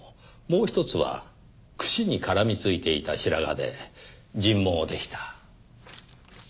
もう一つはくしに絡み付いていた白髪で人毛でした。